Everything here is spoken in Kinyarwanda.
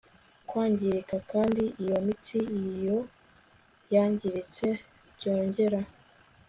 kwangirika, kandi iyo mitsi iyo yangiritse byongera